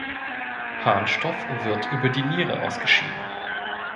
Harnstoff wird über die Niere ausgeschieden.